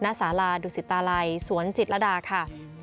สาราดุสิตาลัยสวนจิตรดาค่ะ